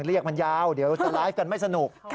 เรียกมันยาวเดี๋ยวจะไลฟ์กันไม่สนุก